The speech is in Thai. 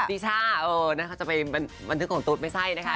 ติช่าเออนะคะจะไปบันทึกของตุ๊ดไม่ใช่นะคะ